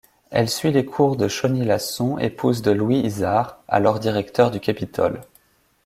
Elle suit les cours de Chauny-Lasson, épouse de Louis Izar, alors directeur du Capitole.